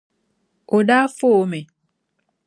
O daa fa o mi.